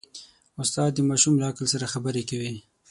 استاد د ماشوم له عقل سره خبرې کوي.